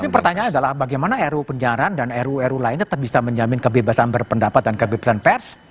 tapi pertanyaan adalah bagaimana ruu penjarahan dan ru ru lainnya tetap bisa menjamin kebebasan berpendapat dan kebebasan pers